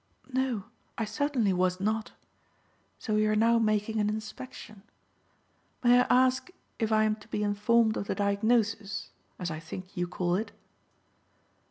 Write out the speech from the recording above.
"No, I certainly was not. So you are now making an inspection. May I ask if I am to be informed of the diagnosis, as I think you call it?"